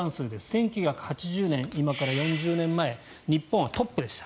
１９８０年、今から４０年前日本はトップでした。